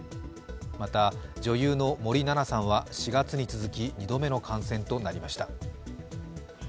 また女優の森七菜さんは４月に続き２度目の感染となりました。